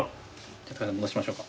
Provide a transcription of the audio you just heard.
ちょっと直しましょうか。